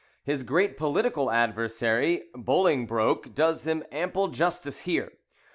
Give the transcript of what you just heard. His great political adversary, Bolingbroke, does him ample justice here.